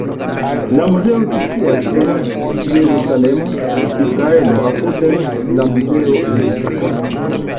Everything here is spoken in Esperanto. La muzeo situas en Jerusalemo, Israelo, apud la Muzeo de Israelo.